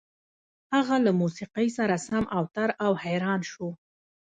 هغه له موسيقۍ سره سم اوتر او حيران شو.